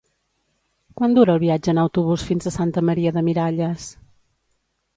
Quant dura el viatge en autobús fins a Santa Maria de Miralles?